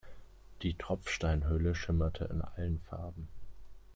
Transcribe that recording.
Die Tropfsteinhöhle schimmerte in allen Farben.